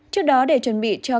trước đó để chuẩn bị cho